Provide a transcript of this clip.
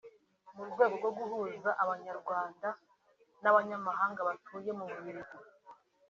mu rwego rwo guhuza Abanyarwanda n’abanyamahanga batuye mu Bubiligi